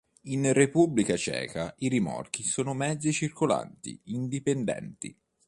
In Repubblica Ceca i rimorchi sono mezzi circolanti indipendenti.